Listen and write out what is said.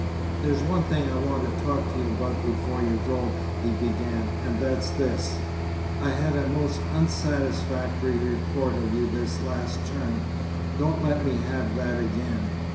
"There's one thing I want to talk to you about before you go," he began, "and that's this. I had a most unsatisfactory report of you this last term; don't let me have that again.